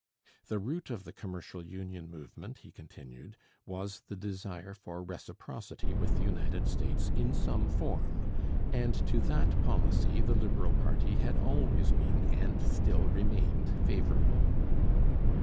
The root of the commercial union movement, he continued, was the desire for reciprocity with the United States in some form, and to that policy the Liberal party had always been, and still remained, favourable.